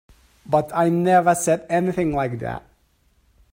But I never said anything like that.